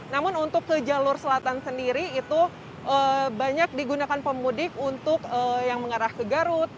namun untuk ke jalur selatan sendiri itu banyak digunakan pemudik untuk yang mengarah ke garut